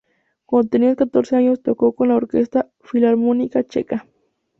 Cuando tenía catorce años tocó con la Orquesta Filarmónica Checa.